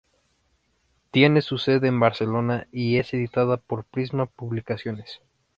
Tiene su sede en Barcelona y es editada por Prisma Publicaciones.